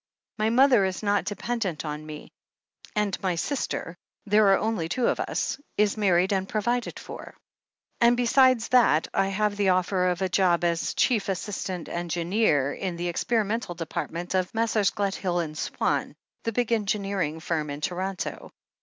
My mother is not dependent on me, and my sister — ^there are only the two of us — is mar ried and provided for. And besides that, I have the offer of a job as Chief Assistant Engineer in the ex perimental department of Messrs. Gledhill and Swan, the big engineering firm in Toronto.